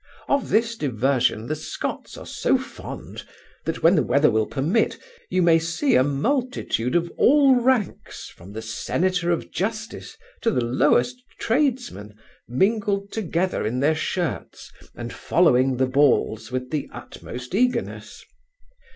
Of this diversion the Scots are so fond, that when the weather will permit, you may see a multitude of all ranks, from the senator of justice to the lowest tradesman, mingled together in their shirts, and following the balls with the utmost eagerness.